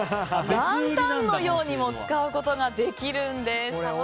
ランタンのようにも使うことができるんです。